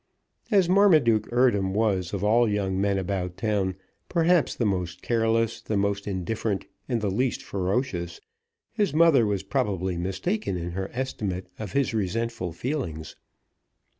As Marmaduke Eardham was, of all young men about town, perhaps the most careless, the most indifferent, and the least ferocious, his mother was probably mistaken in her estimate of his resentful feelings.